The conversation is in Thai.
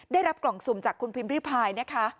ได้รับกล่องสุ่มจากคุณพิมพิพายนะคะ